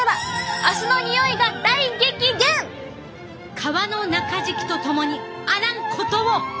革の中敷きと共にあらんことを！